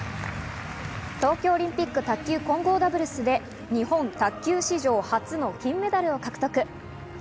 東京オリンピック卓球混合ダブルスで日本卓球史上初の金メダルを獲得。